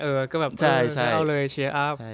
ก็แบบเอาเลยเชียร์อัพ